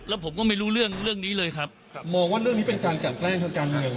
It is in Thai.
แล้วผมก็ไม่รู้เรื่องเรื่องนี้เลยครับครับมองว่าเรื่องนี้เป็นการกล้านแกล้ง